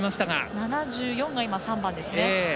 ７４が今、３番ですね。